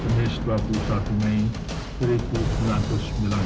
ada yang menyuruh bapak saat itu mungkin